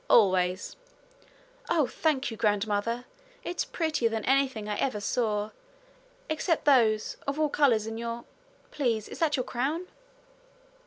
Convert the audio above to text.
'Always.' 'Oh, thank you, grandmother! It's prettier than anything I ever saw, except those of all colours in your Please, is that your crown?'